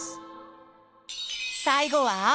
最後は？